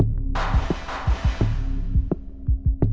กลับไปกัน